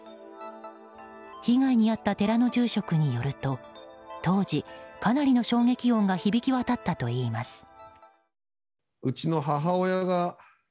被害に遭った寺の住職によると当時かなりの衝撃音が響き渡ったといいます。